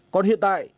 còn hiện tại